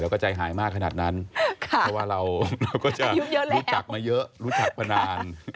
ก็ใจหายมากขนาดนั้นเพราะว่าเราก็จะรู้จักมาเยอะรู้จักมานาน